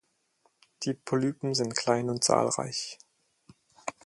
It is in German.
Die Polypen sind klein und zahlreich.